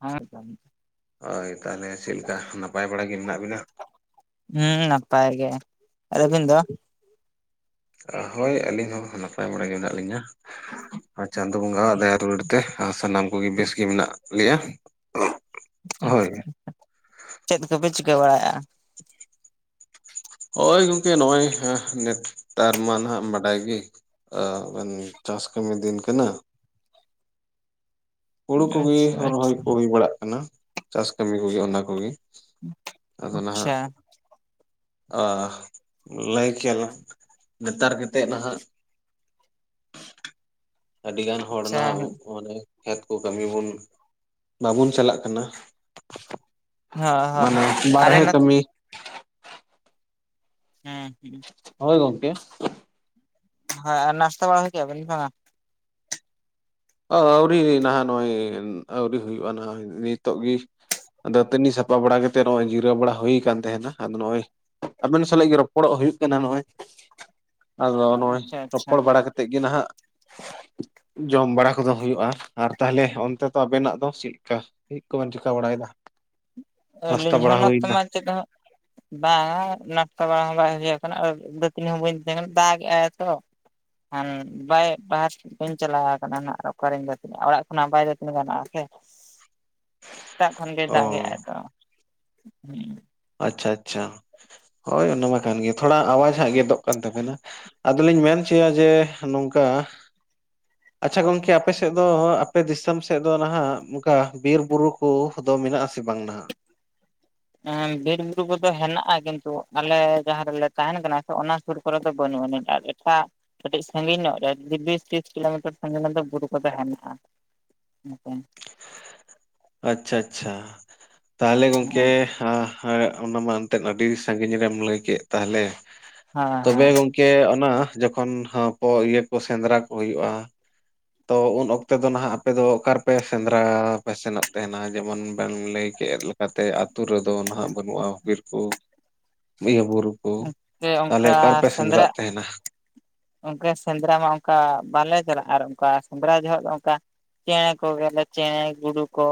ᱦᱩᱸ ᱦᱳᱭ ᱛᱟᱞᱦᱮ ᱪᱮᱫ ᱞᱮᱠᱟ ᱱᱟᱯᱟᱭ ᱵᱟᱲᱟ ᱜᱮ ᱢᱮᱱᱟᱜ ᱵᱤᱱᱟ? ᱦᱩᱸ ᱱᱟᱯᱟᱭ ᱜᱮ ᱟᱨ ᱟᱵᱤᱱ ᱫᱚ? ᱦᱳᱭ ᱟᱹᱞᱤᱧ ᱦᱚᱸ ᱱᱟᱯᱟᱭ ᱵᱟᱲᱟ ᱜᱮ ᱢᱮᱱᱟᱜ ᱞᱤᱧᱟ ᱟᱨ ᱪᱟᱸᱫᱳ ᱵᱚᱸᱜᱟᱣᱟᱜ ᱫᱟᱭᱟ ᱫᱩᱞᱟᱹᱲ ᱛᱮ ᱥᱟᱱᱟᱢ ᱠᱚᱜᱮ ᱵᱮᱥ ᱜᱮ ᱢᱮᱱᱟᱜ ᱞᱮᱭᱟ ᱦᱳᱭ ᱟᱪᱪᱷᱟ। ᱪᱮᱫ ᱠᱚᱯᱮ ᱪᱤᱠᱟᱹ ᱵᱟᱲᱟᱭᱮᱫᱼᱟ? ᱦᱳᱭ ᱜᱚᱝᱠᱮ ᱱᱚᱜᱼᱚᱭ ᱱᱮᱛᱟᱨ ᱢᱟ ᱱᱟᱦᱟᱢ ᱵᱟᱰᱟᱭ ᱜᱤ ᱪᱟᱥ ᱠᱟᱹᱢᱤ ᱫᱤᱱ ᱠᱟᱱᱟ ᱦᱩᱲᱩ ᱠᱚᱜᱮ ᱟᱪᱪᱷᱟ ᱨᱚᱦᱚᱭ ᱠᱚ ᱦᱩᱭ ᱵᱟᱲᱟᱜ ᱠᱟᱱᱟ ᱪᱟᱥ ᱠᱟᱹᱢᱤ ᱠᱚᱜᱮ ᱚᱱᱟ ᱠᱚᱜᱮ ᱟᱫᱚ ᱟᱪᱪᱷᱟ ᱱᱟᱦᱟᱜ ᱟ ᱞᱟᱹᱭ ᱠᱮᱭᱟᱞᱟᱝ ᱱᱮᱛᱟᱨ ᱠᱮᱛᱮᱫ ᱱᱟᱦᱟᱜ ᱟᱹᱰᱤᱜᱟᱱ ᱦᱚᱲ ᱟᱪᱪᱷᱟ ᱱᱟᱦᱟᱜ ᱚᱱᱮ ᱠᱷᱮᱛ ᱠᱚ ᱠᱟᱹᱢᱤ ᱵᱚᱱ ᱵᱟᱵᱚᱱ ᱪᱟᱞᱟᱜ ᱠᱟᱱᱟ ᱦᱳᱭ ᱦᱳᱭ ᱢᱟᱱᱮ ᱟᱞᱮ ᱵᱟᱨᱦᱮ ᱱᱚᱛ ᱠᱟᱹᱢᱤ ᱦᱮᱸ ᱦᱮᱸ ᱦᱳᱭ ᱜᱚᱢᱠᱮ ᱦᱮᱸ ᱟᱨ ᱱᱟᱥᱛᱟ ᱵᱟᱲᱟ ᱠᱮᱫᱟᱵᱮᱱ ᱵᱟᱝᱟ ᱟᱹᱣᱨᱤ ᱱᱟᱦᱟᱜ ᱱᱚᱜᱼᱚᱭ ᱟᱹᱣᱨᱤ ᱦᱩᱭᱩᱜᱼᱟ ᱱᱟᱦᱟᱜ ᱱᱤᱛᱚᱜ ᱜᱤᱼᱼ ᱟᱫᱚ ᱫᱟ. ᱛᱟᱹᱱᱤ ᱥᱟᱯᱟ ᱵᱟᱲᱟ ᱠᱟᱛᱮᱫ ᱱᱚᱜᱼᱚᱭ ᱡᱤᱨᱟᱹᱣ ᱵᱟᱲᱟ ᱦᱩᱭ ᱠᱟᱱ ᱛᱟᱦᱮᱸᱱᱟ, ᱟᱫᱚ ᱱᱚᱜᱼᱚᱭᱼᱼ ᱟᱵᱮᱱ ᱥᱟᱞᱟᱜ ᱜᱮ ᱨᱚᱯᱚᱲᱚᱜ ᱦᱩᱭᱩᱜ ᱠᱟᱱᱟ ᱱᱚᱜᱼᱚᱭ ᱾ ᱟᱫᱚ ᱱᱚᱜᱼᱚᱭ ᱟᱪᱪᱷᱟ ᱟᱪᱪᱷᱟ ᱨᱚᱯᱚᱲ ᱵᱟᱲᱟ ᱠᱟᱛᱮᱜ ᱜᱮ ᱱᱟᱜ ᱡᱚᱢ ᱵᱟᱲᱟᱼᱼ ᱠᱚᱫᱚ ᱦᱩᱭᱩᱜᱼᱟ, ᱟᱨ ᱛᱟᱦᱞᱮ ᱚᱱᱛᱮ ᱫᱚ ᱟᱵᱮᱱ ᱱᱟᱜ ᱫᱚ ᱪᱮᱜ ᱠᱟ ᱪᱮᱫ ᱠᱚᱵᱮᱱ ᱪᱤᱠᱟ ᱵᱟᱲᱟ ᱭᱮᱫᱟ ᱾ ᱱᱟᱥᱛᱟ ᱟᱞᱤᱧ ᱦᱚᱸ ᱱᱚᱛᱮ ᱢᱟ ᱪᱮᱫ ᱦᱚᱸ ᱵᱟᱝᱼ ᱱᱟᱥᱛᱟ ᱵᱟᱲᱟ ᱦᱚᱸ ᱵᱟᱭ ᱦᱩᱭ ᱠᱟᱱᱟ ᱟᱨ ᱫᱟᱹᱛᱟᱹᱱᱤ ᱦᱚᱸ ᱵᱟᱹᱧ ᱛᱟᱦᱮᱸ ᱫᱟᱜ ᱜᱮᱜᱼᱟᱭ ᱛᱚ ᱾ ᱠᱷᱟᱱ ᱵᱟᱭ ᱵᱟᱥᱴ [unintelligible] ᱵᱟᱹᱧ ᱪᱟᱞᱟᱣ ᱠᱟᱱᱟ ᱱᱟᱸᱜ ᱚᱠᱟᱨᱤᱧ ᱫᱟ. ᱛᱟ. ᱱᱤᱼᱟ, ᱚᱲᱟᱜ ᱠᱷᱚᱱᱟᱜ ᱵᱟᱭ ᱫᱟ. ᱛᱟ. ᱱᱤ ᱜᱟᱱᱚᱜᱼᱟ ᱥᱮ ᱾ [inaudible] ᱥᱮᱛᱟᱜ ᱠᱷᱚᱱ ᱜᱮᱭ ᱚ ᱫᱟᱜᱮᱜᱼᱟ ᱛᱚ ᱦᱮᱸ [unintelligible] ᱟᱪᱪᱷᱟ ᱟᱪᱪᱷᱟ ᱦᱚᱭ ᱚᱱᱟ ᱢᱟ ᱠᱟᱱ ᱜᱮ, ᱛᱷᱚᱲᱟ ᱟᱣᱟᱢ ᱦᱟᱸᱜ ᱜᱮᱫᱚᱜ ᱠᱟᱱ ᱛᱟᱵᱮᱱᱟ ᱾ ᱟᱫᱚ ᱞᱤᱧ ᱢᱮᱱ ᱦᱚᱪᱚᱭᱟ ᱡᱮ ᱱᱚᱝᱠᱟᱼᱼ ᱟᱪᱪᱷᱟ ᱜᱚᱝᱠᱮ ᱟᱯᱮ ᱥᱮᱫ ᱫᱚ ᱟᱯᱮ ᱫᱤᱥᱚᱢ ᱥᱮᱫ ᱫᱚ ᱱᱟᱸᱜ, ᱚᱱᱠᱟ ᱵᱤᱨ ᱵᱩᱨᱩᱼᱼ ᱠᱚᱫᱚ ᱢᱮᱱᱟᱜ ᱟᱥᱮ ᱵᱟᱝ ᱱᱟᱸᱜ ᱾ ᱵᱤᱨ ᱵᱩᱨᱩ ᱠᱚᱫᱚ ᱦᱮᱱᱟᱜᱼᱟ ᱠᱤᱱᱛᱩ, ᱟᱞᱮ ᱡᱟᱸᱦᱟᱸ ᱨᱮᱞᱮ ᱛᱟᱦᱮᱱ ᱠᱟᱱᱟ ᱥᱮ ᱚᱱᱟ ᱥᱩᱨᱼᱼ ᱠᱚᱨᱮ ᱫᱚ ᱵᱟᱹᱱᱩᱜ ᱟ. ᱱᱤᱪ ᱟᱨ ᱮᱴᱟᱜᱼᱼ ᱠᱟᱹᱴᱤᱡ ᱥᱟᱺᱜᱤᱧ ᱧᱚᱜ ᱨᱮ ᱵᱤᱥ ᱛᱤᱥ ᱠᱤᱞᱳᱢᱤᱴᱟᱨ ᱥᱟᱺᱜᱤᱧ ᱨᱮ ᱫᱚ ᱵᱩᱨᱩ ᱠᱚᱫᱚ ᱦᱮᱱᱟᱜᱼᱟ ᱾ ᱦ [unintelligible] ᱟᱪᱪᱷᱟ ᱟᱪᱪᱷᱟ ᱛᱟᱦᱚᱞᱮ ᱜᱚᱝᱠᱮ ᱦᱟᱸ ᱦᱮᱸ ᱚᱱᱟ ᱢᱟ ᱮᱱᱛᱮᱫ ᱟᱹᱰᱤ ᱥᱟᱺᱜᱤᱧ ᱨᱮᱢ ᱞᱟᱹᱭ ᱠᱮᱫ ᱛᱟᱦᱚᱞᱮ, ᱛᱚᱵᱮ ᱦᱮᱸ ᱜᱚᱢᱼᱼᱼ ᱠᱮ ᱚᱱᱟ ᱡᱚᱠᱷᱚᱱ ᱦᱟᱭ ᱠᱚ ᱤᱭᱟᱹ ᱠᱚ ᱥᱮᱸᱫᱽᱨᱟ ᱠᱚ ᱦᱩᱭᱩᱜᱼᱟ, ᱛᱚ ᱩᱱ ᱚᱠᱛᱮ ᱫᱚ ᱱᱟᱜ ᱟᱯᱮ ᱫᱚ ᱚᱠᱟ ᱨᱮᱯᱮ ᱥᱮᱸᱫᱽᱨᱟ ᱯᱮ ᱥᱮᱱᱚᱜ ᱛᱮᱱᱟᱸᱜ ᱡᱮᱢᱚᱱ ᱵᱮᱱ ᱞᱟᱹᱭ ᱠᱮᱫᱼᱼ ᱠᱟᱛᱮ ᱟᱛᱩ ᱨᱮᱫᱚ ᱱᱟᱸᱜ ᱵᱟᱹᱱᱩᱜᱼᱟ ᱵᱤᱨ ᱠᱚ, ᱤᱭᱟᱹ ᱵᱩᱨᱩᱼᱼ ᱚᱱᱛᱮ ᱚᱱᱠᱟ ᱥᱮᱸᱫᱽᱨᱟᱜ ᱛᱟᱦᱮᱱᱟ ᱜᱚᱝᱠᱮ ᱚᱱᱠᱟ ᱥᱮᱸᱫᱽᱨᱟ ᱢᱟ ᱚᱱᱠᱟ ᱵᱟᱞᱮ ᱪᱟᱞᱟᱜᱼᱟ, ᱟᱨ ᱚᱱᱠᱟ ᱥᱮᱸᱫᱽᱨᱟ ᱡᱚᱦᱚᱜ ᱫᱚ ᱚᱱᱠᱟᱼᱼ ᱪᱮᱬᱮ ᱠᱚᱜᱮᱞᱮ ᱪᱮᱬᱮ ᱜᱩᱰᱩ ᱠᱚ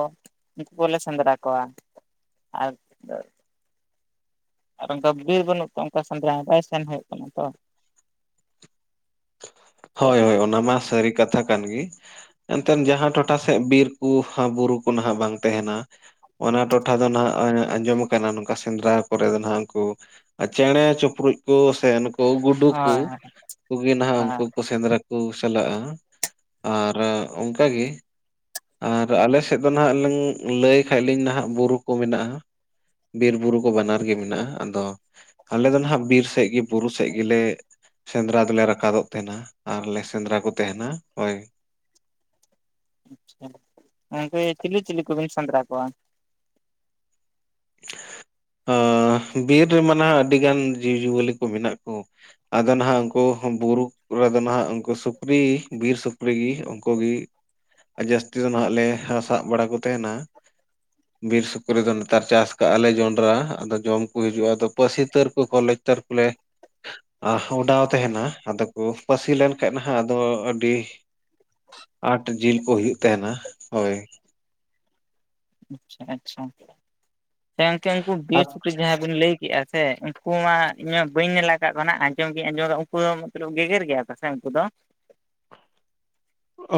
ᱩᱱᱠᱩ ᱠᱚᱞᱮ ᱥᱮᱸᱫᱽᱨᱟ ᱠᱚᱣᱟ ᱟ [unintelligible] ᱟᱨ ᱚᱱᱠᱟ ᱜᱤᱫᱽᱨᱟᱹ ᱵᱟᱹᱱᱩᱜ ᱛᱚ ᱚᱱᱠᱟ ᱥᱮᱸᱫᱽᱨᱟ ᱵᱟᱭ ᱥᱮᱱ ᱦᱩᱭᱩᱜ ᱠᱟᱱᱟ ᱛᱚ ᱾ ᱦᱳᱭ ᱦᱚᱭ ᱦᱚᱭ ᱚᱱᱟ ᱢᱟ ᱥᱟᱹᱨᱤ ᱠᱟᱛᱷᱟ ᱠᱟᱱ ᱜᱮ ᱾ ᱮᱱᱛᱮᱫ ᱡᱟᱦᱟᱸ ᱴᱚᱴᱷᱟ ᱥᱮᱫ ᱵᱤᱨ ᱠᱚ ᱵᱩᱨᱩ ᱠᱚ ᱱᱟᱜ ᱵᱟᱝ ᱛᱟᱦᱮᱱᱟ, ᱚᱱᱟ ᱴᱚᱴᱷᱟ ᱫᱚ ᱱᱟᱜ ᱟᱸᱡᱚᱢ ᱠᱟᱱᱟ ᱱᱚᱝᱠᱟ ᱥᱮᱸᱫᱽᱨᱟ ᱠᱚᱨᱮ ᱫᱚ ᱱᱟᱜ ᱩᱱᱠᱩᱼᱼᱼ ᱟᱨ ᱪᱮᱬᱮ ᱪᱤᱯᱨᱩᱫ ᱠᱚ ᱥᱮ ᱱᱩᱠᱩ ᱜᱩᱰᱩ ᱠᱚ ᱦᱳᱭ ᱠᱩᱜᱮ ᱟᱪᱪᱷᱟ ᱱᱟᱜ ᱩᱱᱠᱩᱼᱼ ᱥᱮᱸᱫᱽᱨᱟ ᱠᱚ ᱪᱟᱞᱟᱜᱼᱟ ᱟᱨ ᱚᱱᱠᱟ ᱜᱮ ᱾ ᱟᱨ ᱟᱞᱮ ᱥᱮᱫ ᱫᱚ ᱱᱟᱜ ᱞᱝ ᱞᱟᱹᱭ ᱠᱷᱟᱱᱡ ᱞᱤᱧ ᱱᱟᱜ ᱵᱩᱨᱩ ᱠᱚ ᱢᱮᱱᱟᱜᱼᱟ, ᱵᱤᱨ ᱵᱩᱨᱩ ᱠᱚ ᱵᱟᱱᱟᱨ ᱜᱮ ᱢᱮᱱᱟᱜᱼᱟ ᱾ ᱟᱫᱚᱼᱼ ᱟᱞᱮ ᱫᱚ ᱱᱟᱜ ᱵᱤᱨ ᱥᱮᱫ ᱜᱮ ᱵᱩᱨᱩ ᱥᱮᱫ ᱜᱮᱞᱮ ᱥᱮᱸᱫᱽᱨᱟ ᱫᱚᱞᱮ ᱨᱟᱠᱟᱵᱚᱜ ᱛᱟᱦᱮᱱᱟ, ᱟᱨ ᱞᱮ ᱥᱮᱸᱫᱽᱨᱟ ᱠᱚ ᱛᱟᱦᱮᱱᱟ ᱳᱭ ᱾ ᱟᱪᱪᱷᱟ ᱜᱚᱢᱠᱮ [unintelligible] ᱪᱤᱞᱤ ᱪᱤᱞᱤ ᱠᱚᱵᱤᱱ ᱥᱮᱸᱫᱽᱨᱟ ᱠᱚᱣᱟ ᱾ ᱟ ᱵᱤᱨ ᱨᱮᱢᱟ ᱱᱟᱦ ᱟᱹᱰᱤᱜᱟᱱ ᱡᱤᱵᱽᱼᱡᱤᱭᱟᱹᱞᱤ ᱠᱚ ᱢᱮᱱᱟᱜ ᱠᱚ, ᱟᱫᱚ ᱱᱟᱜ ᱩᱱᱠᱩ ᱵᱩᱨᱩ ᱠᱚ ᱨᱮᱫᱚ ᱱᱟᱜ ᱩᱱᱠᱩ ᱥᱩᱠᱨᱤ ᱵᱤᱨ ᱥᱩᱠᱨᱤ ᱜᱮ ᱩᱱᱠᱩ ᱜᱮ, ᱡᱟᱹᱥᱛᱤ ᱫᱚ ᱱᱟᱜ ᱞᱮ ᱥᱟᱵ ᱵᱟᱲᱟ ᱠᱚ ᱛᱟᱦᱮᱱᱟ, ᱵᱤᱨ ᱥᱩᱠᱨᱤ ᱫᱚᱼᱼ ᱪᱟᱥ ᱠᱟᱜᱼᱟ ᱞᱮ ᱡᱚᱸᱰᱨᱟ ᱟᱫᱚ ᱡᱚᱢ ᱠᱚ ᱦᱤᱡᱩᱜᱼᱟ ᱟᱫᱚ ᱯᱟᱹᱥᱤ ᱛᱟᱹᱨ ᱠᱚᱠᱚ ᱞᱟᱠᱛᱟᱨ ᱠᱚᱞᱮ [unintelligible] ᱟ ᱠᱚᱸᱰᱷᱟ ᱦᱚᱸᱛᱟᱦᱮᱱᱟ ᱟᱫᱚ ᱠᱚ ᱯᱟᱹᱥᱤ ᱞᱮᱱ ᱠᱷᱟᱱ ᱱᱟᱜ ᱟᱫᱚ ᱟᱹᱰᱤᱼᱼ ᱟᱴ ᱡᱤᱞ ᱠᱚ ᱦᱩᱭᱩᱜ ᱛᱟᱦᱮᱱᱟ ᱦᱚᱭ ᱾ ᱟᱪᱪᱷᱟ ᱟᱪᱪᱷᱟ ᱦ ᱩᱱᱠᱩ ᱟᱨ ᱵᱮᱥ [unintelligible] ᱡᱟᱦᱟᱸᱭ ᱵᱤᱱ ᱞᱟᱹᱭ ᱠᱮᱫᱼᱟ ᱥᱮ, ᱩᱱᱠᱩ ᱢᱟᱦᱟᱜ ᱤᱧ ᱢᱟ ᱵᱟᱹᱧ ᱧᱮ ᱟᱠᱟᱫ ᱠᱟᱣᱟᱜ ᱟᱸᱡᱚᱢ ᱜᱤᱧ ᱟᱸᱡᱚ [unintelligible] ᱩᱱᱠᱩ ᱫᱚ ᱢᱚᱛᱞᱚᱵ ᱜᱮᱜᱮᱨ ᱜᱮᱭᱟ ᱥᱮ ᱩᱱᱠᱩ ᱫᱚ,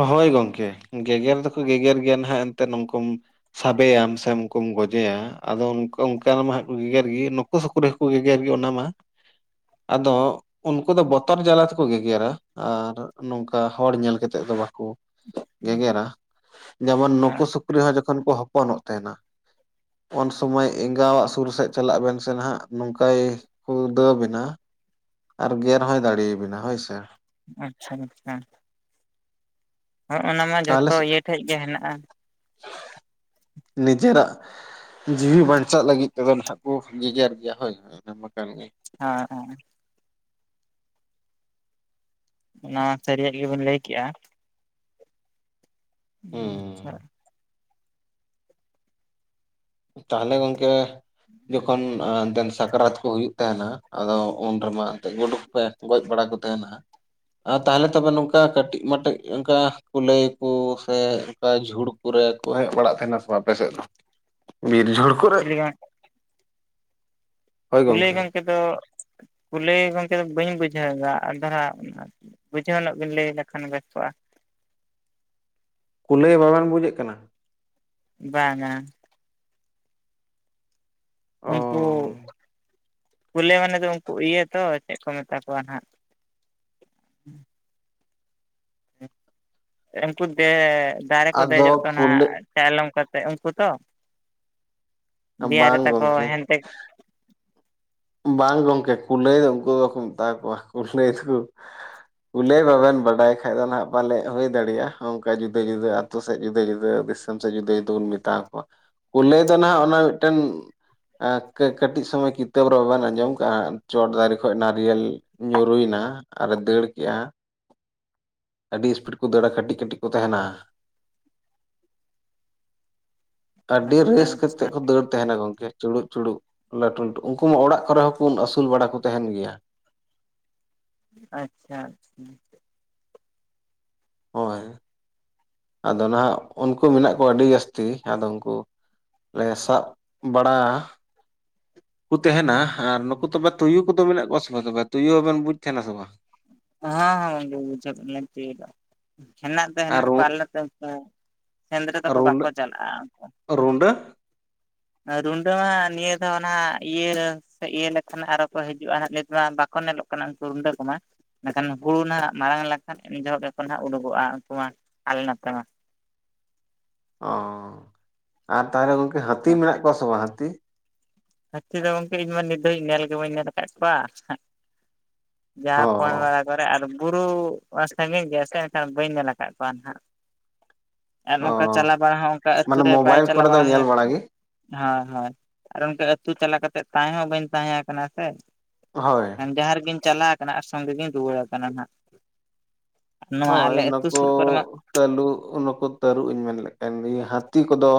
ᱦᱚᱭ ᱜᱚᱝᱠᱮ ᱜᱮᱜᱮᱨ ᱫᱚᱠᱚ ᱜᱮᱜᱮᱨ ᱜᱮᱭᱟ ᱱᱟᱜ ᱮᱱᱛᱮᱫ ᱩᱱᱝᱠᱢᱼᱼ ᱥᱟᱵᱮᱭᱟᱢ ᱥᱮ ᱩᱱᱠᱩᱢ ᱜᱚᱡᱮᱭᱟ ᱟᱫᱚ ᱚᱱᱠᱟ ᱢᱟ ᱦᱟᱜ ᱠᱚ ᱜᱮᱜᱮᱨ ᱜᱤ᱾ ᱩᱱᱠᱩ ᱥᱩᱠᱨᱤ ᱦᱚᱠᱚ ᱜᱮᱜᱮᱨ ᱜᱮ ᱚᱱᱟ ᱢᱟ᱾ ᱟᱫᱚ ᱩᱱᱠᱩ ᱫᱚ ᱵᱚᱛᱚᱨ ᱡᱟᱞᱟ ᱛᱮᱠᱚ ᱜᱮᱜᱨᱟ ᱟᱨ ᱱᱚᱝᱠᱟ ᱦᱚᱲ ᱧᱮᱞ ᱠᱟᱛᱮᱼᱼ ᱛᱮᱫ ᱫᱚ ᱵᱟᱠᱚ ᱜᱮᱜᱨᱟ ᱡᱮᱢᱚᱱ ᱱᱩᱠᱩ ᱦᱮᱸ ᱥᱩᱠᱨᱤ ᱦᱚᱸ ᱡᱚᱠᱷᱚᱱ ᱠᱚ ᱦᱚᱯᱚᱱᱚᱜ ᱛᱟᱦᱮᱱᱟ᱾ ᱩᱱ ᱥᱚᱢᱚᱭ ᱮᱸᱜᱟᱣᱟᱜ ᱥᱩᱨ ᱥᱮᱫ ᱪᱟᱞᱟᱜ ᱵᱮᱱ ᱥᱮ ᱦᱟᱜ ᱱᱚᱝᱠᱟᱭ᱾ [unintelligible] ᱫᱟᱹᱵ ᱮᱱᱟ ᱟᱨ ᱜᱮᱨ ᱦᱚᱸᱭ ᱫᱟᱲᱮᱭᱟᱵᱤᱱᱟ ᱦᱳᱭ ᱥᱮ᱾ ᱟᱪᱪᱷᱟ [inaudible] ᱦᱚᱜᱼᱱᱟ ᱢᱟ ᱛᱟᱦᱚᱞᱮ ᱡᱚᱛᱚ ᱤᱭᱟᱹ ᱴᱷᱮᱡ ᱜᱮ ᱦᱮᱱᱟᱜᱼᱟ᱾ ᱱᱤᱡᱮᱨᱟᱜ ᱡᱤᱣᱤ ᱵᱟᱧᱪᱟᱜ ᱞᱟᱹᱜᱤᱫ ᱛᱮᱫᱚ ᱱᱟᱦᱟᱜ ᱠᱚ ᱜᱮᱮᱜᱮᱨ ᱜᱮᱭᱟ ᱦᱳᱭ ᱚᱱᱟᱢᱟ ᱠᱟᱱ ᱜᱮ ᱦᱮᱸ ᱦᱮᱸ ᱦᱮᱸ ᱚᱱᱟ ᱥᱟᱹᱨᱤᱭᱟᱜ ᱜᱮᱵᱤᱱ ᱞᱟᱹᱭ ᱠᱮᱜᱼᱟ᱾ ᱦᱚ ᱦᱩᱸ ᱟᱪᱪᱷᱟ᱾ ᱛᱟᱦᱚᱞᱮ ᱜᱚᱝᱠᱮ ᱡᱚᱠᱷᱚᱱᱼᱼ ᱥᱟᱠᱨᱟᱛ ᱠᱚ ᱦᱩᱭᱩᱜ ᱛᱟᱦᱮᱱᱟ ᱟᱫᱚ ᱩᱱ ᱨᱮᱢᱟ ᱮᱱᱛᱮᱫ ᱜᱩᱰᱩᱠ ᱯᱮ ᱜᱚᱡ ᱵᱟᱲᱟ ᱠᱚ ᱛᱟᱦᱮᱱᱟ? ᱛᱟᱦᱚᱞᱮ ᱛᱚᱵᱮ ᱱᱚᱝᱠᱟ ᱠᱟᱹᱴᱤᱡ ᱢᱟᱹᱴᱮᱡ ᱚᱱᱠᱟ ᱠᱩᱞᱟᱹᱭ ᱠᱚ ᱥᱮ ᱚᱱᱠᱟ ᱡᱷᱩᱲᱼᱼ ᱯᱩᱨᱟ. ᱠᱚ ᱦᱮᱡ ᱵᱟᱲᱟᱜ ᱠᱟᱱᱟ ᱥᱮ ᱵᱟᱝ ᱟᱯᱮ ᱥᱮᱫ ᱫᱚ ᱵᱤᱨ ᱡᱷᱩᱲ ᱠᱚ [unintelligible] ᱠᱩᱞᱟᱹᱭ ᱜᱚᱝᱠᱮ ᱫᱚ ᱠᱩᱞᱟᱹᱭ ᱜᱚᱝᱠᱮ ᱫᱚ ᱵᱟᱹᱧ ᱵᱩᱡᱷᱟᱹᱣ ᱮᱫᱟ ᱟᱨ ᱫᱷᱟᱨᱟ ᱵᱩᱡᱷᱟᱹᱣ ᱧᱚᱜ ᱵᱤᱱ ᱞᱟᱹᱭ ᱞᱮᱠᱷᱟᱱ ᱵᱮᱥ ᱠᱚᱜᱼᱟ᱾ ᱠᱩᱞᱟᱹᱭ ᱵᱟᱵᱮᱱ ᱵᱩᱡᱮᱫ ᱠᱟᱱᱟ? ᱵᱟᱝᱼᱟ? ᱚ ᱩᱱᱠᱩ ᱠᱩᱞᱟᱹᱭ ᱢᱟᱱᱮ ᱫᱚ ᱩᱱᱠᱩ ᱤᱭᱟᱹ ᱛᱚ ᱪᱮᱫ ᱠᱚ ᱢᱮᱛᱟ ᱠᱚᱣᱟ ᱱᱟᱦᱟᱜ? ᱩᱱᱠᱩ ᱫᱮ ᱫᱟᱨᱮ ᱠᱚ ᱟᱫᱚ ᱫᱮᱡᱚᱜ ᱫᱚ ᱱᱟᱜᱼᱼ ᱠᱩᱞᱟᱹ ᱪᱟᱭᱞᱚᱢ ᱠᱟᱛᱮ ᱩᱱᱠᱩ ᱛᱚ ᱫᱮᱤᱭᱟ ᱵᱟᱝ ᱨᱮᱛᱟᱠᱚ ᱜᱚᱝᱠᱮ ᱦᱮᱸᱫᱮ ᱵᱟᱝ ᱜᱚᱢᱠᱮ ᱠᱩᱞᱟᱹᱭ ᱫᱚ ᱩᱱᱠᱩ ᱫᱚᱠᱚ ᱢᱮᱛᱟ ᱠᱚᱣᱟ ᱠᱩᱞᱱᱟᱟᱹᱭ ᱫᱚᱠᱚᱼᱼ ᱩᱞᱟᱹᱭ ᱵᱟᱵᱮᱱ ᱵᱟᱰᱟᱭ ᱠᱷᱟᱡ ᱫᱚ ᱱᱟᱦᱟᱜ ᱯᱟᱞᱮ ᱦᱩᱭ ᱫᱟᱲᱮᱼᱟ ᱚᱝᱠᱟ ᱡᱩᱫᱟᱹ ᱡᱩᱫᱟᱹ ᱟᱹᱛᱩ᱾ ᱟᱛᱳ ᱥᱮᱫ ᱡᱩᱫᱟᱹ ᱡᱩᱫᱟᱹ ᱫᱤᱥᱚᱢ ᱥᱮᱫ ᱡᱩᱫᱟᱹ ᱡᱩᱫᱟᱹ ᱵᱚᱱ ᱢᱮᱛᱟ ᱠᱚᱣᱟ ᱠᱩᱞᱟᱹᱭ ᱫᱚ ᱦᱜ ᱚᱱᱟ ᱢᱤᱫᱴᱮᱱᱼᱼ ᱠᱟᱹᱴᱤᱡ ᱥᱚᱢᱚᱭ ᱠᱤ ᱠᱤᱛᱟᱹᱵ ᱨᱮ ᱵᱟᱵᱮᱱ ᱟᱸᱡᱚᱢ ᱠᱟᱜᱼᱟ ᱪᱚᱴ ᱫᱟᱨᱮ ᱠᱷ ᱱᱟᱨᱤᱭᱮᱞ ᱧᱩᱨᱩᱭᱮᱱᱟ ᱟᱨᱮ ᱫᱟᱹᱲ ᱠᱮᱜᱼᱟ ᱟᱹᱰᱤ ᱤᱥᱯᱤᱰ ᱠᱚ ᱫᱟᱹᱲᱟ ᱠᱟᱹᱴᱤᱡ ᱠᱟᱹᱴᱤᱡ ᱠᱚ ᱛᱟᱦᱮᱱᱟ᱾ ᱟᱹᱰᱤ ᱟᱪᱪᱷᱟ ᱨᱟᱹᱥ ᱟᱪᱪᱷᱟ ᱠᱟᱛᱮᱜ ᱠᱚ ᱫᱟᱹᱲ ᱛᱟᱦᱮᱱᱟ ᱜᱚᱝᱠᱮ ᱪᱩᱲᱩᱜ ᱪᱩᱲᱩᱜ ᱞᱟᱹᱴᱩ, ᱞᱟᱹᱴᱩ, ᱼᱼ ᱩᱱᱠᱩ ᱢᱟ ᱚᱲᱟᱜ ᱠᱚᱨᱮ ᱦᱚᱸᱠᱚ ᱟᱹᱥᱩᱞ ᱵᱟᱲᱟ ᱠᱚ ᱛᱟᱦᱮᱱ ᱜᱮᱭᱟ᱾ ᱟᱪᱪᱷᱟ᱾ ᱦᱳᱭ ᱟᱫᱚ ᱱᱟᱦᱟᱜ ᱩᱱᱠᱩ ᱢᱮᱱᱟᱜ ᱠᱚᱣᱟ ᱟᱹᱰᱤ ᱡᱟᱹᱥᱛᱤ ᱟᱫᱚ ᱩᱱᱠᱩ ᱞᱮ ᱥᱟᱵ ᱵᱟᱲᱟᱼᱼ ᱠᱩ ᱛᱟᱦᱮᱱᱟ ᱟᱨ ᱱᱩᱠᱩ ᱛᱚᱵᱮ ᱛᱩᱭᱩ ᱠᱚᱫᱚ ᱢᱮᱱᱟᱜ ᱠᱚᱣᱟ ᱥᱮ ᱵᱟᱝ ᱛᱚᱵᱮ ᱛᱩᱭᱩ ᱦᱚᱸᱵᱮᱱ ᱵᱩᱡ ᱛᱟᱦᱮᱱᱟ ᱥᱮ ᱵᱟᱝ? ᱦᱚᱸ ᱦᱚᱸ ᱵᱩᱡᱟᱹᱜ ᱠᱟᱱᱟ ᱛᱩᱭᱩ ᱫᱚ ᱦᱮᱱᱟᱜ ᱫᱚ ᱟᱨ ᱦᱮᱱᱟᱜ ᱨᱩ ᱠᱚᱣᱟ ᱟᱞᱮᱼᱼ ᱥᱮᱸᱫᱽᱨᱟᱹ ᱫᱚᱠᱚ ᱵᱟᱠᱚ ᱨᱩᱰᱟᱹ ᱪᱟᱞᱟᱜᱼᱟ ᱩᱱᱠᱩ, ᱨᱩᱰᱟᱹ ᱨᱩᱱᱰᱟᱹ ᱦᱟᱜ ᱱᱤᱭᱟᱹ ᱫᱷᱟᱣ ᱱᱟᱜ ᱤᱭᱟᱹ ᱥᱮ ᱤᱭᱟᱹ ᱞᱮᱠᱷᱟᱱ ᱟᱨᱚ ᱠᱚ ᱦᱤᱡᱩᱜᱼᱟ ᱱᱟ ᱱᱤᱛ ᱢᱟ ᱵᱟᱠᱚ ᱧᱮᱞᱚᱜ ᱠᱟᱱᱟ ᱩᱱᱠᱩ ᱦᱩᱰᱟᱹ ᱠᱚᱢᱟ᱾ ᱮᱠᱷᱟᱱ ᱦᱩᱲᱩ ᱱᱟᱜ ᱢᱟᱨᱟᱝ ᱞᱮᱠᱷᱟᱱ ᱤᱱ ᱡᱚᱦᱚᱜ ᱜᱮᱠᱚ ᱱᱟᱦᱟᱜ ᱩᱰᱩᱠᱚᱜᱼᱟ᱾ ᱩᱱᱠᱩ ᱢᱟ ᱟᱞᱮ ᱱᱟᱛᱮ ᱢᱟ᱾ ᱚ ᱟᱨ ᱛᱟᱦᱚᱞᱮ ᱜᱚᱝᱠᱮ ᱦᱟᱹᱛᱤ ᱢᱮᱱᱟᱜ ᱠᱚᱣᱟ ᱥᱮ ᱵᱟᱝ ᱦᱟᱹᱛᱤ? ᱦᱟᱛᱤ ᱫᱚ ᱜᱚᱝᱠᱮ ᱤᱧᱢᱟ ᱱᱤᱛ ᱫᱟᱹᱵᱤᱡ ᱧᱮᱞ ᱜᱮ ᱵᱟᱹᱧ ᱧᱮᱞ ᱟᱠᱟᱫ ᱠᱚᱣᱟᱼᱼ ᱚ ᱡᱟᱦᱟᱸ ᱯᱷᱚᱸ ᱵᱟᱲᱟ ᱠᱚᱨᱮ ᱟᱨ ᱵᱩᱨᱩ ᱥᱟᱺᱜᱤᱧ ᱜᱮᱭᱟ ᱥᱮ ᱮᱱᱠᱷᱟᱱ ᱵᱟᱹᱧ ᱧᱮᱞ ᱟᱠᱟᱫ ᱠᱚᱣᱟ ᱱᱟᱦᱟᱜ ᱟᱨ ᱚ ᱱᱚᱝᱠᱟ ᱪᱟᱞᱟᱣ ᱵᱟᱲᱟ ᱦᱚᱸ ᱚᱱᱠᱟ ᱟᱹᱛᱩ ᱢᱟᱱᱮ ᱨᱮ ᱵᱟᱭ ᱢᱳᱵᱟᱭᱤᱞ ᱪᱟᱞᱟᱣ ᱠᱚᱨᱮ ᱫᱚ ᱵᱟᱲᱟ ᱧᱮᱞ ᱜᱮ ᱦᱩᱭᱟᱠᱟᱱᱟ ᱦᱳᱭ ᱦᱳᱭ ᱟᱨ ᱚᱱᱠᱟ ᱟᱹᱛᱩ ᱪᱟᱞᱟᱣ ᱠᱟ ᱠᱟᱛᱮᱫ ᱛᱟᱦᱮᱸ ᱦᱚᱸ ᱵᱟᱹᱧ ᱛᱟᱦᱮᱸ ᱠᱟᱱᱟ ᱥᱮ᱾ ᱦᱳᱭ᱾ ᱡᱟᱦᱟᱸ ᱨᱮᱜᱤᱧ ᱪᱟᱞᱟᱣ ᱠᱟᱱᱟ, ᱟᱨ ᱥᱚᱸᱜᱮ ᱜᱤᱧ ᱨᱩᱣᱟᱹᱲ ᱟᱠᱟᱱᱟ ᱱᱟᱸᱜ᱾ ᱦᱳᱭ ᱱᱩᱠᱩ ᱥᱩᱨ ᱠᱚᱨᱮ ᱢᱟ ᱛᱟᱹᱞᱩᱜ ᱱᱩᱠᱩ ᱛᱟᱹᱨᱩᱵ ᱤᱧ ᱢᱮᱱ ᱞᱮ ᱠᱟᱱ ᱦᱟᱹᱛᱤ ᱠᱚᱫᱚ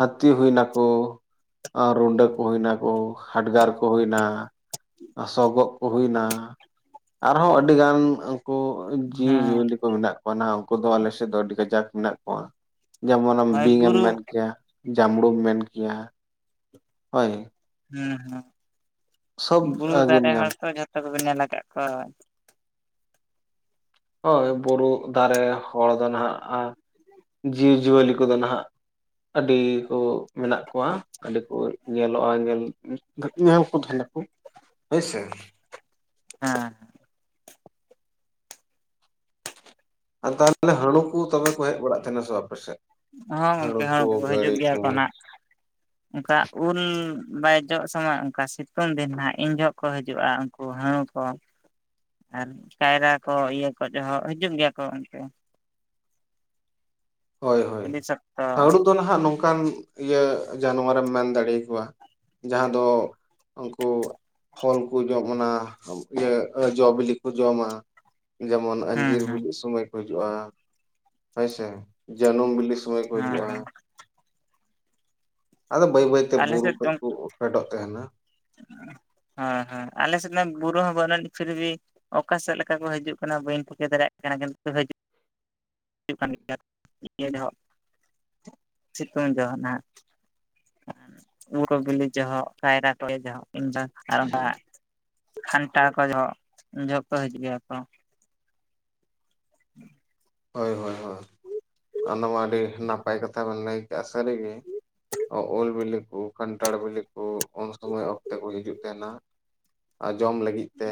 ᱦᱟᱹᱛᱤ ᱦᱩᱭ ᱱᱟᱠᱚ᱾ ᱟᱨ ᱨᱩᱰᱟᱹ ᱠᱚ ᱦᱩᱭᱱᱟ ᱠᱚ ᱦᱟᱰᱜᱟᱨ ᱠᱚ ᱦᱩᱭᱱᱟ᱾ ᱥᱳᱜᱚᱫ ᱠᱚ ᱦᱩᱭᱱᱟ᱾ ᱟᱨᱦᱚᱸ ᱟᱹᱰᱤ ᱜᱟᱱ ᱩᱱᱠᱩ ᱦᱩᱸ ᱪᱤᱞᱤ ᱠᱚ ᱢᱮᱱᱟᱜ ᱠᱚᱣᱟ ᱱᱟᱜ ᱩᱱᱠᱩ ᱫᱚ ᱟᱞᱮᱥᱮᱫ ᱫᱚ ᱟᱹᱰᱤ ᱠᱟᱡᱟᱠ ᱢᱮᱱᱟᱜ ᱠᱚᱣᱟ᱾ ᱡᱮᱢᱚᱱ ᱟᱢ ᱦᱳᱭ ᱵᱤᱧᱮᱢ ᱵᱩᱨᱩ ᱢᱮᱱ ᱠᱮᱭᱟ, ᱡᱟᱢᱲᱩᱢ ᱢᱮᱱ ᱠᱮᱭᱟ ᱦᱳᱭ᱾ ᱦᱩᱸ ᱥᱚᱵ ᱦᱩᱸ ᱵᱩᱨᱩ ᱜᱮᱢ ᱫᱟᱨᱮ ᱦᱚᱲ ᱧᱟᱢᱟ ᱛᱚ ᱡᱷᱚᱛᱚ ᱠᱚᱯᱮ ᱧᱮᱞ ᱟᱠᱟᱫ ᱠᱚᱣᱟ᱾ ᱦᱳᱭ ᱵᱩᱨᱩ ᱫᱟᱨᱮ ᱦᱚᱲ ᱫᱚ ᱱᱟᱦᱟᱼᱜ ᱟᱨ ᱡᱤᱵᱽᱼᱡᱤᱭᱟᱹᱞᱤ ᱠᱚᱫᱚ ᱱᱟᱦᱟᱸᱜ ᱟᱹᱰᱤ ᱠᱚ ᱢᱮᱱᱟᱜ ᱠᱚᱣᱟ᱾ ᱟᱹᱰᱤ ᱠᱚ ᱧᱮᱞᱚᱜᱼᱟ, ᱧᱮᱞ ᱧᱮᱞ ᱠᱚ ᱛᱟᱦᱮᱱᱟᱠᱚ ᱦᱳᱭᱥᱮ᱾ ᱦᱮᱸᱼ ᱛᱟᱦᱚᱞᱮ ᱦᱟᱹᱲᱩ ᱠᱚ ᱛᱚᱵᱮ ᱠᱚ ᱦᱮᱡ ᱵᱟᱲᱟᱜ ᱛᱟᱦᱮᱱᱟ ᱥᱮ ᱟᱯᱮᱥᱮᱫ ᱦᱚᱸ ᱜᱚᱝᱠᱮ ᱦᱚᱸ ᱩᱱᱠᱩ ᱠᱚ ᱦᱤᱡᱩᱜ ᱜᱮᱭᱟ ᱠᱚ ᱦᱟᱸᱜ᱾ ᱚᱱᱠᱟ ᱩᱞ ᱵᱟᱭ ᱡᱚᱜ ᱥᱚᱢᱚᱭ ᱚᱱᱠᱟ ᱥᱤᱛᱩᱝ ᱫᱤᱱ ᱦᱟᱜ ᱤᱱ ᱡᱚᱦᱚᱜ ᱠᱚ ᱦᱤᱡᱩᱜᱼᱟ᱾ ᱩᱱᱠᱩ ᱦᱩᱲᱩ ᱠᱚ᱾ ᱟᱨ ᱠᱟᱭᱨᱟ ᱠᱚ ᱤᱭᱟᱹ ᱠᱚ ᱡᱚᱦᱚᱜ ᱦᱤᱡᱩᱜ ᱜᱮᱭᱟ ᱠᱚ ᱩᱱᱡᱳᱠᱷᱱ ᱦᱚᱸ᱾ ᱦᱳᱭ ᱦᱳᱭ ᱟᱹᱰᱤ ᱥᱚᱠᱛᱚ ᱦᱟᱹᱲᱩ ᱫᱚ ᱱᱟᱦᱟᱜ ᱱᱚᱝᱠᱟᱱ ᱤᱭᱟᱹ ᱡᱟᱱᱣᱟ ᱨᱮᱢ ᱢᱮᱱ ᱫᱟᱲ ᱟᱠᱚᱣᱟ᱾ ᱡᱟᱦᱟᱸ ᱫᱚ ᱩᱝᱠᱩ ᱯᱷᱚᱞ ᱠᱩ ᱡᱚᱢ ᱚᱱᱟ ᱤᱭᱟᱹ ᱡᱚ ᱵᱤᱞᱤ ᱠᱩ ᱡᱚᱢᱟ᱾ ᱡᱮᱢᱚᱱ ᱦᱩᱸ ᱟᱺᱡᱤᱨ ᱦᱩᱸ ᱵᱤᱞᱤᱜ ᱥᱚᱢᱚᱭ ᱠᱚ ᱦᱤᱡᱩᱜ-ᱟ᱾ ᱦᱳᱭᱥᱮ ᱡᱟᱹᱱᱩᱢ ᱵᱤᱞᱤ ᱥ ᱥᱚᱢᱚᱭ ᱠᱚ ᱦᱮᱸ ᱦᱤᱡᱩᱜ-ᱟ᱾ ᱦᱮᱸ ᱟᱫᱚ ᱵᱟᱹᱭ ᱵᱟᱹᱭᱛᱮ ᱟᱞᱮ ᱵᱩᱨᱩ ᱥᱮᱫ ᱠᱷᱚᱡ ᱦᱳᱭ ᱠᱩ ᱯᱷᱮᱰᱚᱜ ᱛᱮᱦᱮᱱᱟ᱾ [inaudible] ᱦᱮᱸ ᱦᱮᱸ ᱟᱞᱮ ᱥᱮᱱ ᱫᱚ ᱵᱩᱨᱩ ᱦᱚᱸ ᱵᱟᱹᱱᱩ ᱟᱱᱤ ᱯᱷᱤᱨᱵᱷᱤ ᱚᱠᱟ ᱥᱮᱫ ᱞᱮᱠᱟ ᱠᱚ ᱦᱤᱡᱩᱜ ᱠᱟᱱᱟ᱾ ᱵᱟᱹᱧ ᱴᱷᱤᱠᱟᱹ ᱫᱟᱲᱮᱭᱟᱜ ᱠᱟᱱᱟ ᱠᱤᱱᱛᱩ ᱦᱟᱹᱡᱩᱜ ᱦᱩᱭᱩᱜ ᱠᱟᱱ ᱜᱮᱭᱟ ᱤᱭᱟᱹ ᱡᱚᱦᱚᱜ ᱥᱤᱛᱩᱝ ᱡᱚᱦᱚᱜ ᱱᱟᱸᱜ ᱩᱞ ᱠᱚ ᱵᱤᱞᱤ ᱡᱚᱦᱚᱜ ᱠᱟᱭᱨᱟ [unintelligible] ᱠᱷᱟᱱᱴᱟ ᱠᱚ ᱡᱚᱦᱚᱜ ᱩᱱ ᱡᱚᱦᱚᱜ ᱠᱚ, ᱦᱤᱡᱩᱜ ᱜᱮᱭᱟ ᱠᱚ᱾ ᱦᱳᱭ ᱦᱳᱭ ᱦᱳᱭ ᱚᱱᱟ ᱢᱟ ᱟᱹᱰᱤ ᱱᱟᱯᱟᱭ ᱠᱟᱛᱷᱟ ᱵᱮᱱ ᱞᱟᱹᱭ ᱠᱮ-ᱟ ᱥᱟᱹᱨᱤᱜᱤ᱾ ᱩᱞ ᱵᱤᱞᱤ ᱠᱩ ᱠᱟᱱᱴᱷᱟᱲ ᱵᱤᱞᱤ ᱠᱩ ᱩᱱ ᱥᱚᱢᱚᱭ ᱚᱠᱛᱮ ᱠᱚ ᱦᱤᱡᱩᱜ ᱛᱮᱦᱮᱱᱟ᱾ ᱚᱢ ᱞᱟᱹᱜᱤᱫ ᱛᱮ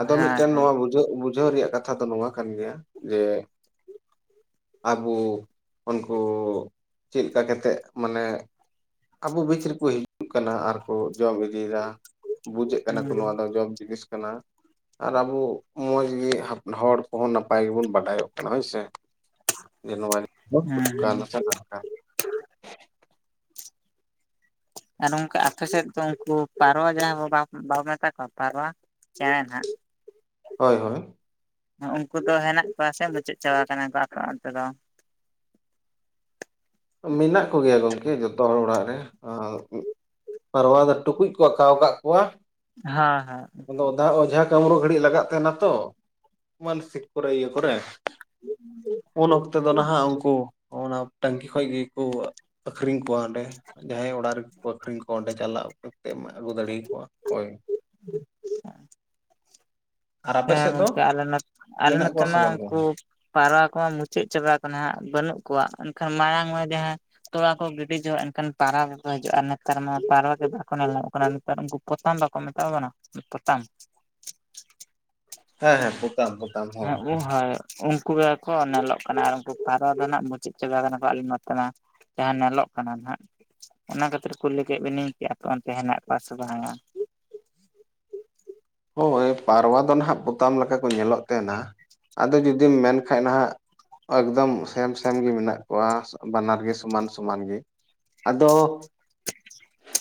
ᱟᱫᱚ ᱦᱮᱸ ᱢᱤᱜᱴᱮᱱ ᱦᱮᱸ ᱱᱚᱣᱟ ᱵᱩᱡᱷᱟᱹᱜ ᱵᱩᱡᱷᱟᱹᱣ ᱨᱮᱭᱟᱜ ᱠᱟᱛᱷᱟ ᱫᱚ ᱱᱚᱣᱟ ᱠᱟᱱ ᱜᱮᱭᱟ ᱡᱮ [inaudible] ᱟᱵᱩ ᱩᱱᱠᱩ ᱪᱮᱫ ᱞᱮᱠᱟ ᱠᱟᱛᱮᱫ ᱢᱟᱱᱮ᱾ ᱟᱵᱚ ᱵᱤᱪ ᱨᱤᱠᱚ ᱦᱤᱡᱩᱜ ᱠᱟᱱᱟ ᱟᱨ ᱠᱚ ᱡᱚᱢ ᱤᱫᱤᱭᱮᱫᱟ᱾ ᱵᱩᱡᱮᱜ ᱠᱟᱱᱟ ᱠᱚ ᱦᱩᱸ ᱱᱚᱣᱟ ᱫᱚ ᱡᱚᱢ ᱡᱤᱱᱤᱥ ᱠᱟᱱᱟ᱾ ᱟᱨ ᱟᱵᱩ ᱢᱚᱸᱡᱽ ᱜᱤ ᱦᱚᱲ ᱠᱚᱦᱚᱸ ᱱᱟᱯᱟᱭ ᱜᱮᱵᱩᱱ ᱵᱟᱰᱟᱭᱚᱜ ᱦᱳᱭ ᱥᱮ ᱦᱩᱸ [unintelligible] ᱟᱨ ᱱᱚᱝᱠᱟ ᱟᱯᱮ ᱥᱮᱫ ᱫᱚ ᱩᱝᱠᱩ ᱯᱟᱨᱣᱟ ᱡᱟᱦᱟᱸ ᱵᱟᱚ ᱢᱮᱛᱟ ᱠᱚᱣᱟ ᱯᱟᱨᱣᱟ᱾ ᱪᱮᱸᱬᱮᱸ ᱱᱟᱜ᱾ ᱦᱳᱭᱼᱦᱳᱭ ᱩᱱᱠᱩ ᱫᱚ ᱦᱮᱱᱟᱜ ᱠᱚᱣᱟ ᱥᱮ ᱢᱩᱪᱟᱹᱫ ᱪᱟᱵᱟ ᱠᱟᱱᱟ ᱠᱚ ᱟᱯᱮ ᱚᱱᱛᱮ ᱫᱚ᱾ ᱢᱮᱱᱟᱜ ᱠᱚᱜᱮᱭᱟ ᱜᱚᱝᱠᱮ ᱡᱚᱛᱚ ᱦᱚᱲ ᱚᱲᱟᱜ ᱨᱮ ᱟ ᱯᱨᱣᱟ ᱫᱚ ᱴᱩᱠᱩᱡ ᱠᱚ ᱟᱠᱟᱠᱟᱣ ᱟᱠᱟᱜ ᱠᱚᱣᱟ᱾ ᱦᱮᱸ ᱦᱮᱸ ᱟᱫᱚ ᱚᱫᱷᱟ ᱚᱡᱷᱟ᱾ ᱠᱟᱹᱢᱨᱩ ᱜᱷᱟᱹᱲᱤᱡ ᱞᱟᱜᱟᱜ ᱛᱟᱦᱮᱱᱟ ᱛᱚ ᱢᱟᱱᱥᱤᱠ ᱠᱚᱨᱮ ᱤᱭᱟᱹ ᱠᱚᱨᱮ᱾ [inaudible] ᱩᱱ ᱚᱠᱛᱮ ᱫᱚ ᱱᱟᱦᱟᱜ ᱩᱝᱠᱩ, ᱚᱱᱟ ᱴᱟᱝᱠᱤ ᱠᱷᱚᱡ ᱜᱤ ᱠᱚ ᱟᱠᱷᱨᱤᱧ ᱠᱚᱣᱟ ᱦᱟᱸᱰᱮ᱾ ᱡᱟᱦᱟᱸᱭ ᱚᱲᱟᱜ ᱨᱤᱜᱤ ᱠᱚ ᱟᱠᱷᱨᱤᱧ ᱠᱚᱣᱟ, ᱚᱸᱰᱮ ᱪᱟᱞᱟᱜ ᱠᱟᱛᱮᱫ ᱢᱟᱡ ᱟᱹᱜᱩ ᱫᱟᱲᱮ ᱭᱟᱠᱚᱣᱟ ᱦᱳᱭ᱾ ᱟᱨ ᱟᱯᱮ ᱦᱮᱸ ᱥᱮᱫ ᱫᱚ ᱜᱚᱝᱠᱮ ᱟᱞᱮ ᱱᱚᱛᱮ ᱟᱞᱮ ᱢᱮᱱᱟᱜ ᱠᱚᱣᱟ ᱥᱮ ᱱᱚᱛᱮᱢᱟ ᱵᱟᱝ ᱩᱝᱠᱩ ᱜᱚᱝᱠᱮ ᱯᱟᱣᱨᱟ ᱠᱚ ᱢᱩᱪᱟᱹᱫ ᱪᱟᱵᱟ ᱟᱠᱟᱱᱟ ᱦᱟᱸᱜ ᱵᱟᱹᱱᱩᱜ ᱠᱚᱣᱟ ᱮᱱᱠᱷᱟᱱ ᱢᱟᱭᱟᱝ [unintelligible] ᱡᱟᱦᱟᱸᱭ ᱛᱚᱣᱟ ᱠᱚ ᱜᱤᱰᱤ ᱡᱚᱜ ᱮᱱᱠᱷᱟᱱ ᱯᱟᱨᱟ ᱠᱚ ᱠᱚ ᱦᱤᱡᱩᱜ-ᱟ ᱱᱚᱛᱮ ᱨᱮ ᱢᱟ ᱯᱟᱨᱣᱟ ᱠᱚᱜᱮ ᱦᱟᱸᱜ ᱠᱚ ᱱᱮᱞ ᱧᱟᱢᱚᱜ ᱠᱟᱱᱟ ᱟᱨ ᱩᱝᱠᱩ ᱯᱚᱛᱟᱢ ᱵᱟᱠᱚ ᱢᱮᱛᱟᱠᱚ ᱠᱟᱱᱟ ᱯᱚᱛᱟᱢ [inaudible] ᱦᱮᱸ ᱦᱮᱸ ᱯᱳᱛᱟᱢ ᱯᱳᱛᱟᱢ ᱦᱳᱭ ᱦᱮᱸ ᱦᱳᱭ ᱩᱝᱠᱩ ᱜᱮᱠᱚ ᱧᱮᱞᱚᱜ ᱠᱟᱱᱟ ᱟᱨ ᱩᱝᱠᱩ ᱯᱟᱨᱟ ᱫᱚ ᱱᱟᱜ ᱢᱩᱪᱟᱹᱫ ᱪᱟᱵᱟ ᱠᱟᱱᱟ ᱠᱚ ᱟᱞᱮ ᱱᱚᱛᱮ ᱢᱟ ᱡᱟᱦᱟᱸ ᱱᱮᱞᱚᱜ ᱠᱟᱱᱟ ᱱᱟᱜ ᱚᱱᱟ ᱠᱷᱟᱹᱛᱤᱨ ᱠᱩᱞᱤ ᱠᱮᱫ ᱵᱤᱱᱤᱧ ᱠᱤ ᱟᱯᱮ ᱚᱱᱛᱮ ᱦᱮᱱᱟᱜ ᱠᱚᱣᱟ ᱥᱮ ᱵᱟᱝᱟ? ᱦᱳᱭ ᱯᱟᱨᱣᱟ ᱫᱚ ᱱᱟᱦᱟᱜ ᱯᱚᱛᱟᱢ ᱞᱮᱠᱟ ᱠᱚ ᱧᱮᱞᱚᱜ ᱛᱟᱦᱮᱱᱟ ᱟᱫᱚ ᱡᱩᱫᱤᱢ ᱢᱮᱱ ᱠᱷᱟᱡ ᱱᱟᱦᱟᱜ ᱮᱠᱫᱚᱢ ᱥᱮᱢ ᱥᱮᱢ ᱜᱮ ᱢᱮᱱᱟᱜ ᱠᱚᱣᱟ ᱵᱟᱱᱟᱨ ᱜᱮ ᱥᱚᱢᱟᱱ ᱥᱚᱢᱟᱱ ᱜᱮ ᱟᱫᱚ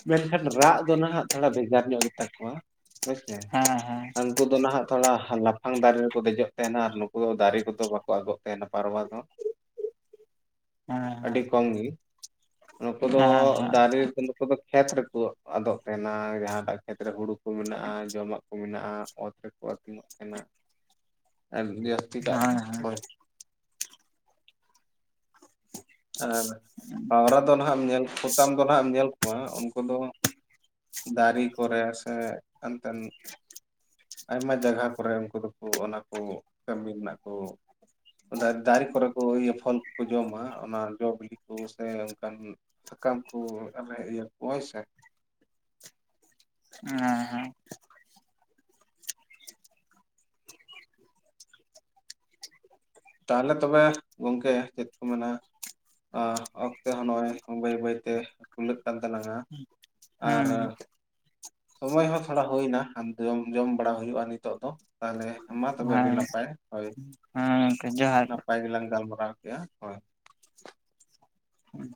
ᱢᱮᱱᱠᱷᱟᱱ ᱨᱟᱜ ᱫᱚ ᱱᱟᱦᱟᱜ ᱛᱷᱚᱲᱟ ᱵᱷᱮᱜᱟᱨ ᱧᱚᱜ ᱜᱮᱛᱟ ᱠᱚᱣᱟ ᱦᱳᱭ ᱥᱮ ᱦᱮᱸ ᱦᱮᱸ ᱟᱫᱚ ᱱᱟᱦᱟᱜ ᱛᱷᱚᱲᱟ ᱞᱟᱯᱷᱟᱝ ᱫᱟᱨᱮ ᱨᱮᱠᱚ ᱫᱮᱡᱚᱜ ᱛᱟᱦᱮᱱᱟ ᱟᱨ ᱱᱩᱠᱩ ᱫᱚ ᱫᱟᱨᱮ ᱠᱚᱫᱚ ᱵᱟᱠᱚ ᱟᱫᱚᱜ ᱛᱟᱦᱮᱱᱟ ᱯᱟᱨᱣᱟ ᱫᱚ ᱦᱮᱸ ᱟᱹᱰᱤ ᱠᱚᱢ ᱜᱮ ᱱᱩᱠᱩ ᱫᱚ ᱦᱮᱸ ᱦᱮᱸ ᱫᱟᱨᱮ ᱱᱩᱠᱩ ᱫᱚ ᱠᱷᱮᱛ ᱨᱮᱠᱚ ᱟᱫᱚᱜ ᱛᱟᱦᱮᱱᱟ ᱡᱟᱦᱟᱸᱴᱟᱜ ᱠᱷᱮᱛ ᱨᱮ ᱦᱩᱲᱩ ᱠᱚ ᱢᱮᱱᱟᱜ-ᱟ ᱡᱚᱢᱟᱜ ᱢᱮᱱᱟᱜᱼᱟ ᱚᱛ ᱨᱮᱠᱚ ᱟᱹᱛᱤᱧᱚᱜ ᱛᱟᱦᱮᱱᱟ ᱟᱨ ᱡᱟᱹᱥᱛᱤ ᱦᱮᱸ ᱠᱟᱜ ᱦᱮᱸ ᱫᱚ ᱦᱮᱸ ᱦᱳᱭ ᱟᱨ ᱯᱟᱣᱨᱟ ᱫᱚ ᱦᱟᱸᱜ ᱧᱮᱞ ᱯᱚᱛᱟᱢ ᱫᱚ ᱦᱟᱸᱜ ᱮᱢ ᱧᱮᱞ ᱠᱚᱣᱟ ᱩᱱᱠᱩ ᱫᱚ। ᱫᱟᱨᱮ ᱠᱚᱨᱮ ᱥᱮ ᱮᱱᱛᱮᱱ ᱟᱭᱢᱟ ᱡᱟᱭᱜᱟ ᱠᱚᱨᱮ ᱩᱱᱠᱩ ᱫᱚᱠᱚ ᱚᱱᱟ ᱠᱚ ᱠᱟᱹᱢᱤ ᱨᱮᱱᱟᱜ ᱠᱚ ᱫᱟᱨᱮ ᱫᱟᱨᱮ ᱠᱚᱨᱮ ᱠᱚ ᱤᱭᱟᱹ ᱯᱷᱚᱞ ᱠᱚ ᱡᱚᱢᱟ ᱚᱱᱟ ᱡᱚ ᱵᱤᱞᱤ ᱠᱚ ᱥᱮ ᱚᱱᱠᱟᱱ ᱥᱟᱠᱟᱢ ᱠᱚ ᱤᱭᱟᱹ ᱠᱚ ᱦᱳᱭ ᱥᱮ ᱦᱮᱸ ᱦᱮᱸ ᱛᱟᱞᱦᱮ ᱛᱚᱵᱮ ᱜᱚᱝᱠᱮ ᱪᱮᱫ ᱠᱚ ᱢᱮᱱᱟ? ᱟ ᱚᱠᱛᱮ ᱦᱚᱸ ᱱᱚᱜᱼᱚᱭ ᱵᱟᱹᱭ ᱵᱟᱹᱭᱛᱮ ᱠᱷᱩᱞᱟᱹᱜ ᱠᱟᱱ ᱛᱟᱞᱟᱝᱼᱟ ᱦᱮᱸ ᱥᱚᱢᱚᱭ ᱦᱚᱸ ᱛᱷᱚᱲᱟ ᱦᱳᱭ ᱮᱱᱟ ᱡᱚᱢ ᱚᱱᱟ ᱛᱟᱭᱚᱢ ᱵᱟᱲᱟ ᱦᱳᱭᱳᱜᱼᱟ ᱱᱤᱛᱚᱜ ᱫᱚ ᱛᱟᱦᱚᱞᱮ ᱢᱟ ᱛᱚᱵᱮ ᱟᱹᱰᱤ ᱱᱟᱯᱟᱭ ᱦᱳᱭ ᱦᱩᱸ ᱜᱚᱝᱠᱮ ᱡᱚᱦᱟᱨ ᱱᱟᱯᱟᱭ ᱜᱮᱞᱟᱝ ᱜᱟᱞᱢᱟᱨᱟᱣ ᱠᱮᱫᱼᱟ ᱦᱳᱭ᱾ ᱦᱩᱸ